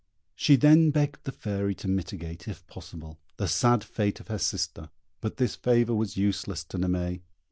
She then begged the Fairy to mitigate, if possible, the sad fate of her sister; but this favour was useless to Naimée.